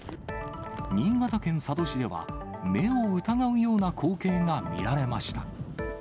新潟県佐渡市では、目を疑うような光景が見られました。